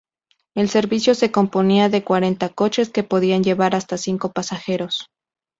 El servicio se componía de cuarenta coches que podían llevar hasta cinco pasajeros.